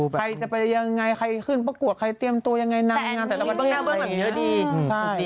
ใครจะไปยังไงใครขึ้นประกวดใครเตรียมตัวยังไงนางงานแต่เราไม่ได้